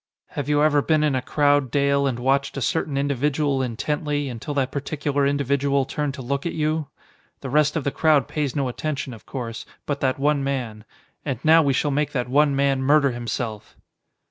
"Have you ever been in a crowd, Dale, and watched a certain individual intently, until that particular individual turned to look at you? The rest of the crowd pays no attention, of course, but that one man. And now we shall make that one man murder himself!"